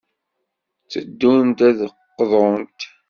Tteddunt ad d-qḍunt.